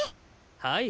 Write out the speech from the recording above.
はい。